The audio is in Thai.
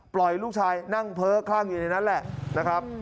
ลูกชายนั่งเพ้อคลั่งอยู่ในนั้นแหละนะครับ